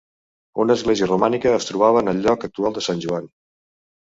Una església romànica es trobava en el lloc actual de Sant Joan.